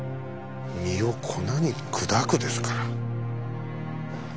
「身を粉に砕く」ですから。